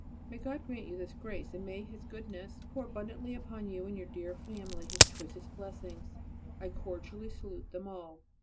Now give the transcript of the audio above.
May God grant you this grace, and may His Goodness pour abundantly upon you and your dear family His choicest blessings. I cordially salute them all.